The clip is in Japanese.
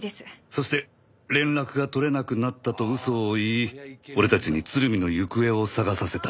そして連絡が取れなくなったと嘘を言い俺たちに鶴見の行方を捜させた。